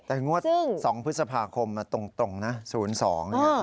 แต่งวด๒พฤษภาคมตรงนะ๐๒เนี่ย